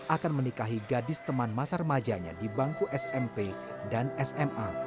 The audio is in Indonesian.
akan menikahi gadis teman masa remajanya di bangku smp dan sma